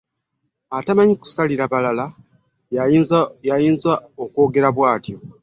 Atamanyi kusasira balala y'ayinza okwogera bwatyo .